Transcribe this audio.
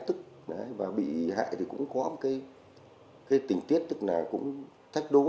trong linh tám